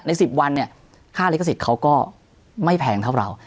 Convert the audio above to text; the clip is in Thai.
๑๐วันเนี่ยค่าลิขสิทธิ์เขาก็ไม่แพงเท่าเรา